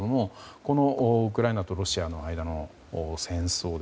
このウクライナとロシアの間の戦争